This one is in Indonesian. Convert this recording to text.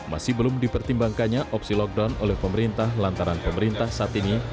masih belum dipertimbangkannya opsi lockdown oleh pemerintah lantaran pemerintah saat ini